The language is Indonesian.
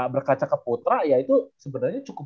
berkaca ke putra ya itu sebenarnya cukup